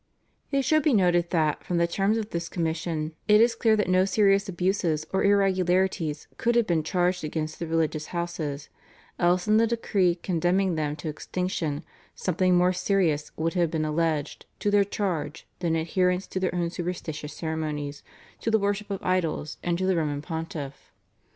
" It should be noted that from the terms of this commission it is clear that no serious abuses or irregularities could have been charged against the religious houses, else in the decree condemning them to extinction something more serious would have been alleged to their charge than adherence to their own superstitious ceremonies, to the worship of idols, and to the Roman Pontiff.